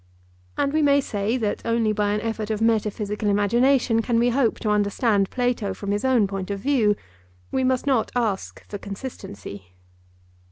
And we may say that only by an effort of metaphysical imagination can we hope to understand Plato from his own point of view; we must not ask for consistency.